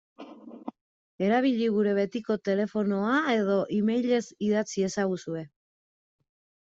Erabili gure betiko telefonoa edo emailez idatz iezaguzue.